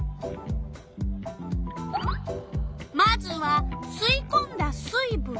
まずは「すいこんだ水ぶん」？